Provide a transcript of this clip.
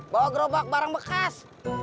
bawa gerobak barang bekas